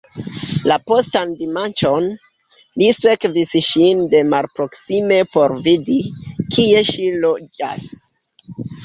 La postan dimanĉon, li sekvis ŝin de malproksime por vidi, kie ŝi loĝas.